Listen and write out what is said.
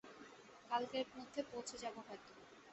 কালকের কধ্যে পৌছে যাব হয়তো।